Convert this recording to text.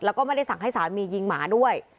แล้วก็ไม่ได้สั่งให้สามียิงหมาด้วย